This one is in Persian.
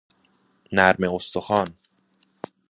نرمه استخوان